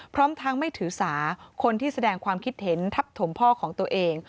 พร้อมทั้งไม่ถือสาคนที่แสดงความคิดเห็นทับถมพ่อของตัวเอง